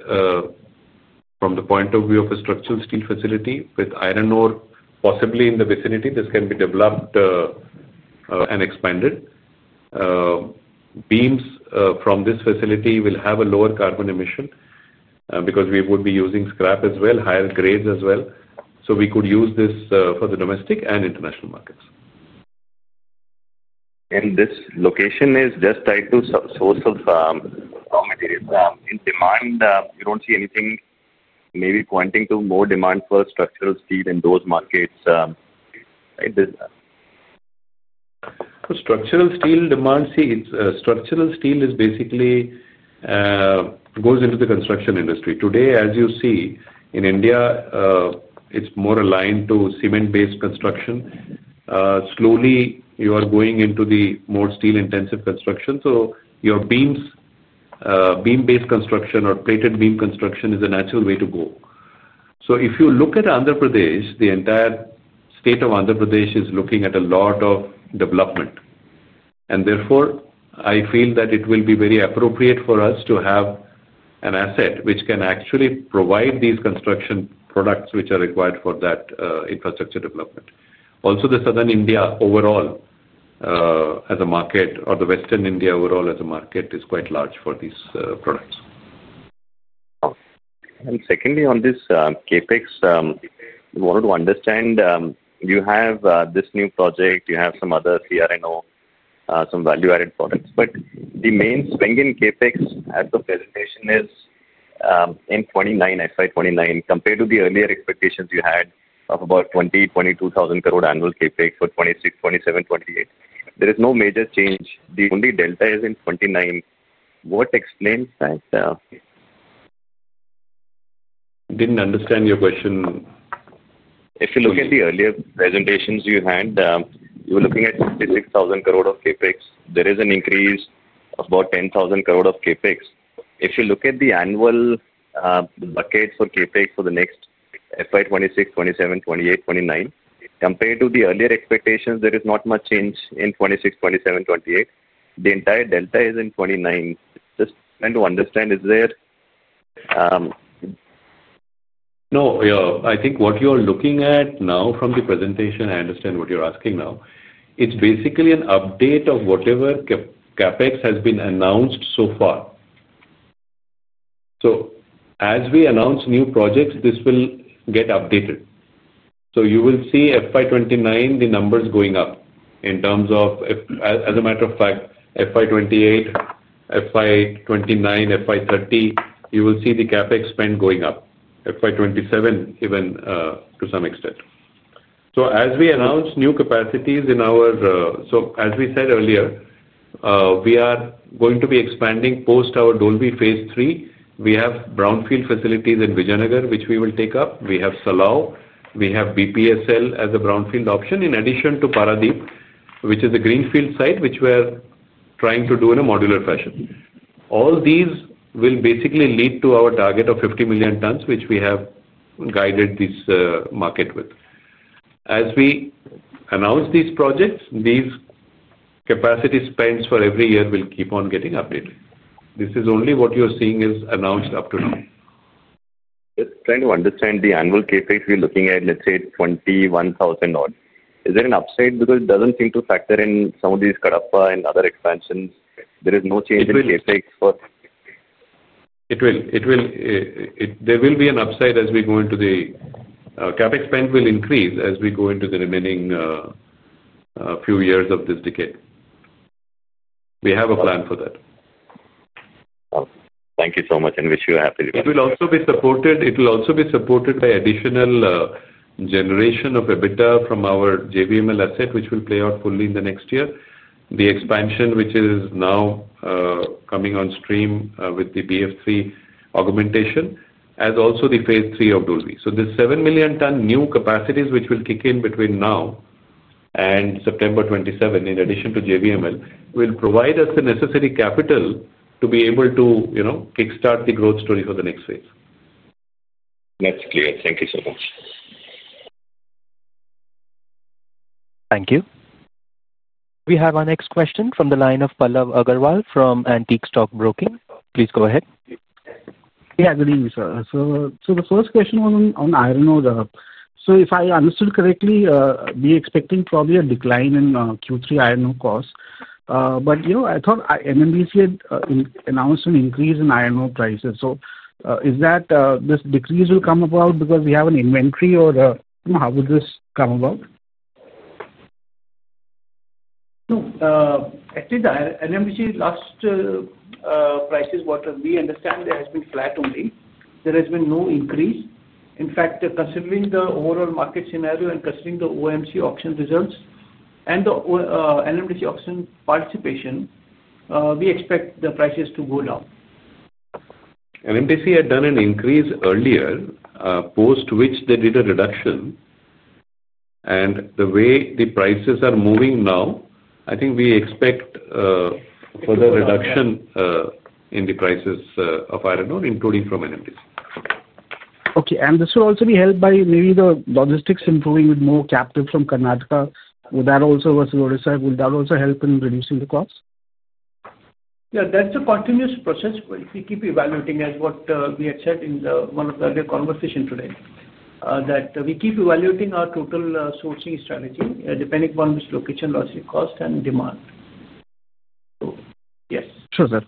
from the point of view of a structural steel facility with iron ore possibly in the vicinity. This can be developed and expanded. Beams from this facility will have a lower carbon emission because we would be using scrap as well, higher grades as well. We could use this for the domestic and international markets. This location is just tied to source of raw material. In demand, you don't see anything maybe pointing to more demand for structural steel in those markets. Structural steel demand, see, structural steel basically goes into the construction industry. Today, as you see, in India, it's more aligned to cement-based construction. Slowly, you are going into the more steel-intensive construction. Your beam-based construction or plated beam construction is a natural way to go. If you look at Andhra Pradesh, the entire state of Andhra Pradesh is looking at a lot of development. Therefore, I feel that it will be very appropriate for us to have an asset which can actually provide these construction products which are required for that infrastructure development. Also, the southern India overall as a market or the western India overall as a market is quite large for these products. On this CapEx, we wanted to understand, you have this new project, you have some other CRNO, some value-added products. The main swing in CapEx at the presentation is in 2029, compared to the earlier expectations you had of about 20,000-22,000 crore annual CapEx for 2026, 2027, 2028. There is no major change. The only delta is in 2029. What explains that? Didn't understand your question. If you look at the earlier presentations you had, you were looking at 56,000 crore of CapEx. There is an increase of about 10,000 crore of CapEx. If you look at the annual bucket for CapEx for the next FY 2026, 2027, 2028, 2029, compared to the earlier expectations, there is not much change in 2026, 2027, 2028. The entire delta is in 2029. Just trying to understand, is there? No, I think what you are looking at now from the presentation, I understand what you're asking now. It's basically an update of whatever CapEx has been announced so far. As we announce new projects, this will get updated. You will see FY 2029, the numbers going up. As a matter of fact, FY2028, FY 2029, FY2030, you will see the CapEx spend going up, FY 2027 even to some extent. As we announce new capacities in our, as we said earlier, we are going to be expanding post our Dolvi phase three. We have brownfield facilities in Vijayanagar, which we will take up. We have Sella. We have BPSL as a brownfield option in addition to Paradip, which is a greenfield site, which we are trying to do in a modular fashion. All these will basically lead to our target of 50 million tons, which we have guided this market with. As we announce these projects, these capacity spends for every year will keep on getting updated. This is only what you're seeing is announced up to now. Just trying to understand the annual CapEx we're looking at, let's say 21,000 odd. Is there an upside because it doesn't seem to factor in some of these Karappa and other expansions? There is no change in CapEx for. There will be an upside as we go into the CapEx spend will increase as we go into the remaining few years of this decade. We have a plan for that. Thank you so much, and wish you a happy Diwali. It will also be supported by additional generation of EBITDA from our JVML asset, which will play out fully in the next year. The expansion, which is now coming on stream with the BF3 augmentation, as also the phase three of Dolvi. The 7 million ton new capacities, which will kick in between now and September 2027, in addition to JVML, will provide us the necessary capital to be able to kickstart the growth story for the next phase. That's clear. Thank you so much. Thank you. We have our next question from the line of Pallav Agarwal from Antique Stock Broking. Please go ahead. Yeah, good evening, sir. The first question was on iron ore. If I understood correctly, we are expecting probably a decline in Q3 iron ore costs. I thought NMDC had announced an increase in iron ore prices. Is that this decrease will come about because we have an inventory or how would this come about? No, actually, the NMDC last year prices, what we understand, there has been flat only. There has been no increase. In fact, considering the overall market scenario and considering the OMC auction results and the NMDC auction participation, we expect the prices to go down. NMDC had done an increase earlier, post which they did a reduction. The way the prices are moving now, I think we expect a further reduction in the prices of iron ore, including from NMDC. Okay. This will also be helped by maybe the logistics improving with more captive from Karnataka. Would that also versus Orissa? Would that also help in reducing the costs? Yeah. That's a continuous process. We keep evaluating, as what we had said in one of the earlier conversations today, that we keep evaluating our total sourcing strategy, depending upon which location lost in cost and demand. Yes. Sure, sir.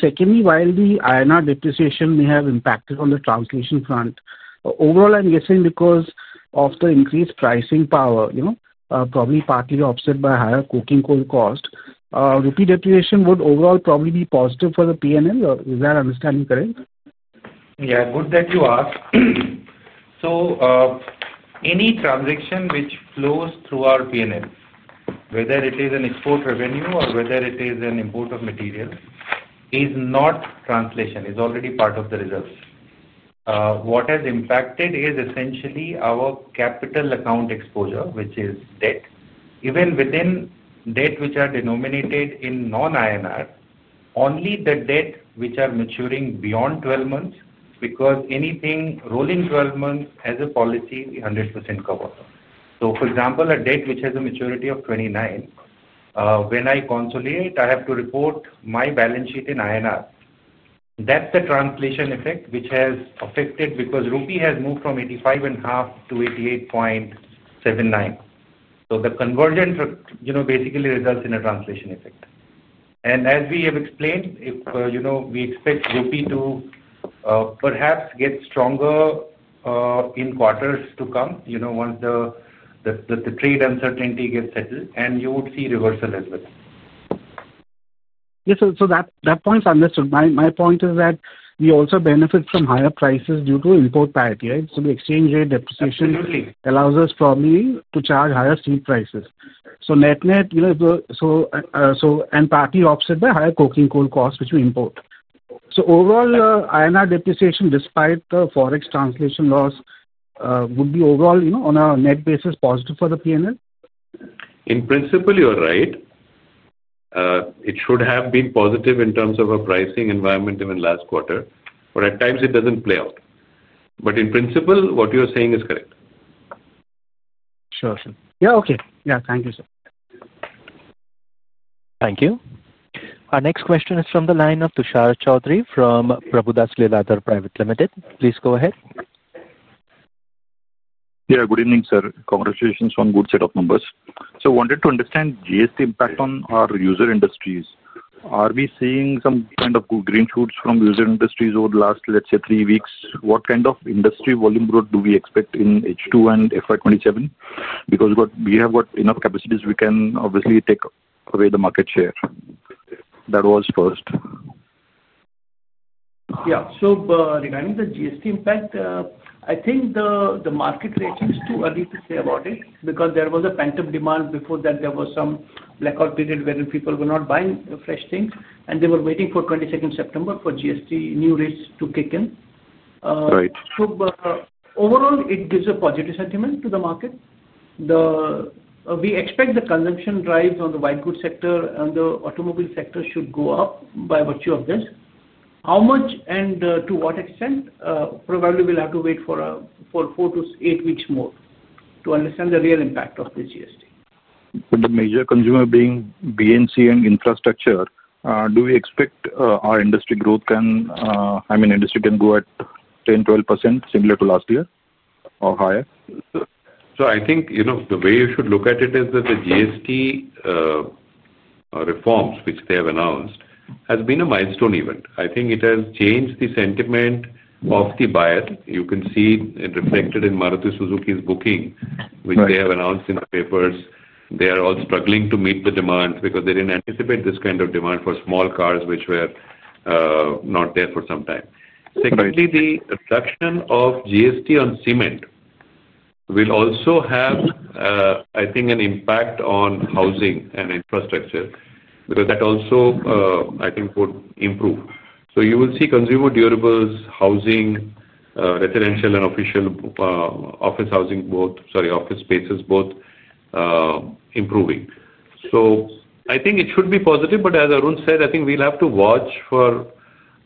Secondly, while the INR depreciation may have impacted on the translation front, overall, I'm guessing because of the increased pricing power, probably partly offset by higher coking coal cost, repeat depreciation would overall probably be positive for the P&L. Is that understanding correct? Yeah, good that you asked. Any transaction which flows through our P&L, whether it is an export revenue or whether it is an import of material, is not translation, is already part of the results. What has impacted is essentially our capital account exposure, which is debt. Even within debt which are denominated in non-INR, only the debt which are maturing beyond 12 months, because anything rolling 12 months as a policy 100% covers. For example, a debt which has a maturity of 29, when I consolidate, I have to report my balance sheet in INR. That's the translation effect which has affected because Rupee has moved from 85.5 to 88.79. The convergence basically results in a translation effect. As we have explained, if you know, we expect Rupee to perhaps get stronger in quarters to come, once the trade uncertainty gets settled, and you would see reversal as well. Yes, sir. That point is understood. My point is that we also benefit from higher prices due to import parity, right? The exchange rate depreciation allows us probably to charge higher steel prices. Net net, parity is offset by higher coking coal costs which we import. Overall, INR depreciation, despite the forex translation loss, would be overall, on a net basis, positive for the P&L? In principle, you're right. It should have been positive in terms of a pricing environment even last quarter, at times it doesn't play out. In principle, what you're saying is correct. Sure. Yeah, okay. Yeah, thank you, sir. Thank you. Our next question is from the line of Tushar Choudhry from Prabhudas Lilladher Private Limited. Please go ahead. Good evening, sir. Congratulations on a good set of numbers. I wanted to understand GST impact on our user industries. Are we seeing some kind of good green shoots from user industries over the last, let's say, three weeks? What kind of industry volume growth do we expect in H2 and FY 2027? We have got enough capacities, we can obviously take away the market share. That was first. Yeah. Regarding the GST impact, I think the market reaction is too early to say because there was a pent-up demand before that. There was some blackout period wherein people were not buying fresh things, and they were waiting for 22nd September for GST new rates to kick in. Right. Overall, it gives a positive sentiment to the market. We expect the consumption drives on the wine goods sector and the automobile sector should go up by virtue of this. How much and to what extent, probably we'll have to wait for four to eight weeks more to understand the real impact of the GST. For the major consumer being BNC and infrastructure, do we expect our industry growth can, I mean, industry can go at 10%, 12% similar to last year or higher? I think the way you should look at it is that the GST reforms, which they have announced, have been a milestone event. I think it has changed the sentiment of the buyer. You can see it reflected in Maruti Suzuki's booking, which they have announced in the papers. They are all struggling to meet the demands because they didn't anticipate this kind of demand for small cars, which were not there for some time. Secondly, the reduction of GST on cement will also have, I think, an impact on housing and infrastructure because that also, I think, would improve. You will see consumer durables, housing, residential, and office spaces, both improving. I think it should be positive, but as Arun Maheshwari said, I think we'll have to watch for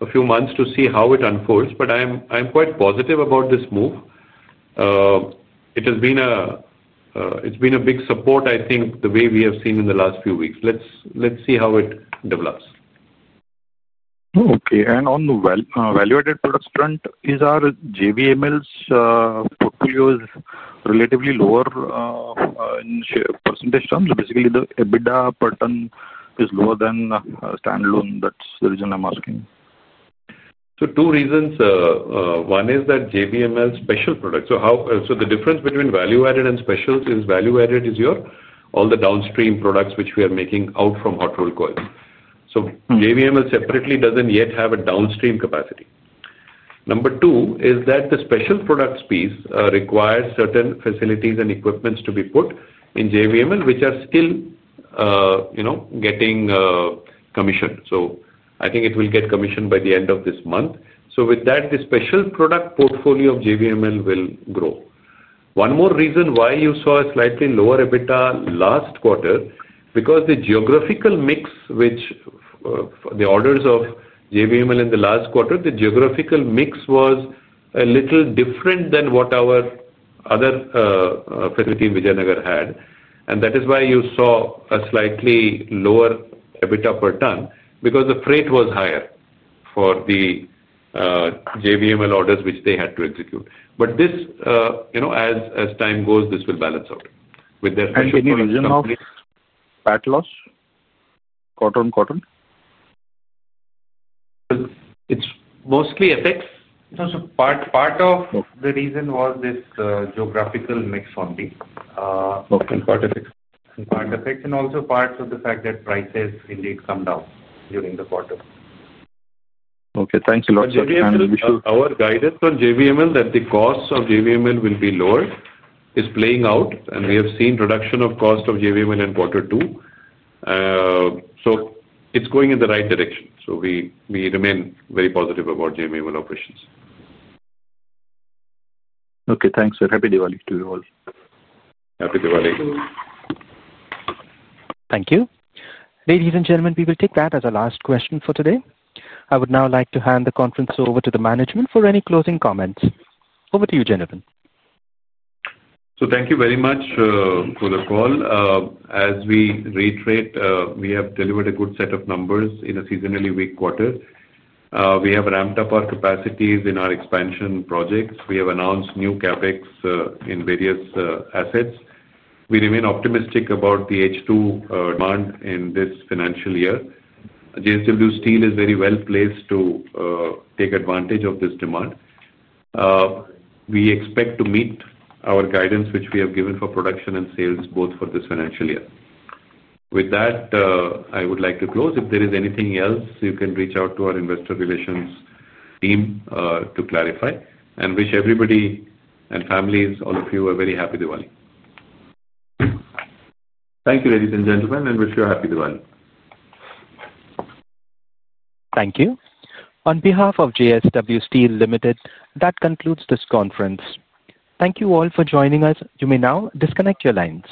a few months to see how it unfolds. I'm quite positive about this move. It has been a big support, the way we have seen in the last few weeks. Let's see how it develops. Okay. On the value-added products front, is our JVML's portfolio relatively lower in % terms? Basically, the EBITDA per ton is lower than standalone. That's the reason I'm asking. Two reasons. One is that JVML special products. The difference between value-added and special is value-added is all the downstream products which we are making out from hot roll coil. JVML separately doesn't yet have a downstream capacity. Number two is that the special products piece requires certain facilities and equipment to be put in JVML, which are still getting commissioned. I think it will get commissioned by the end of this month. With that, the special product portfolio of JVML will grow. One more reason why you saw a slightly lower EBITDA last quarter is because the geographical mix, which the orders of JVML in the last quarter, the geographical mix was a little different than what our other facility in Vijayanagar had. That is why you saw a slightly lower EBITDA per ton because the freight was higher for the JVML orders which they had to execute. This, as time goes, will balance out with their special products. is the reason for that loss? Cotton? Cotton? It's mostly FX. Part of the reason was this geographical mix only. Okay, and part FX. Part FX, and also part of the fact that prices indeed come down during the quarter. Okay, thanks a lot. Our guidance on JVML that the costs of JVML will be lower is playing out, and we have seen reduction of cost of JVML in quarter two. It's going in the right direction. We remain very positive about JVML operations. Okay. Thanks, sir. Happy Diwali to you all. Happy Diwali. Thank you. Thank you. Ladies and gentlemen, we will take that as our last question for today. I would now like to hand the conference over to the management for any closing comments. Over to you, gentlemen. Thank you very much for the call. As we reiterate, we have delivered a good set of numbers in a seasonally weak quarter. We have ramped up our capacities in our expansion projects. We have announced new CapEx in various assets. We remain optimistic about the H2 demand in this financial year. JSW Steel is very well placed to take advantage of this demand. We expect to meet our guidance which we have given for production and sales, both for this financial year. With that, I would like to close. If there is anything else, you can reach out to our investor relations team to clarify. I wish everybody and families, all of you, a very happy Diwali. Thank you, ladies and gentlemen, and wish you a happy Diwali. Thank you. On behalf of JSW Steel Limited, that concludes this conference. Thank you all for joining us. You may now disconnect your lines.